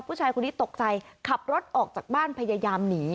ผู้ชายคนนี้ตกใจขับรถออกจากบ้านพยายามหนี